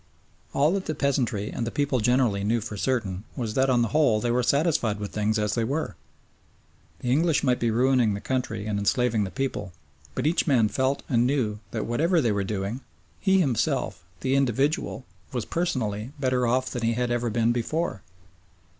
All that the peasantry and the people generally knew for certain was that on the whole they were satisfied with things as they were. The English might be ruining the country and enslaving the people, but each man felt and knew that whatever they were doing, he himself, the individual, was personally better off than he had ever been before.